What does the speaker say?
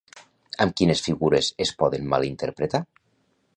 Amb quines figures es poden malinterpretar?